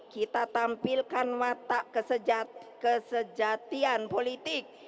kita tampilkan watak kesejatian politik